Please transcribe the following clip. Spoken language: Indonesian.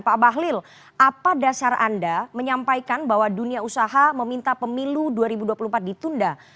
pak bahlil apa dasar anda menyampaikan bahwa dunia usaha meminta pemilu dua ribu dua puluh empat ditunda